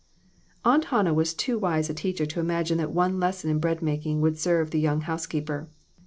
Aunt Hannah was too wise a teacher to imagine that one lesson in bread making would serve the young housekeeper.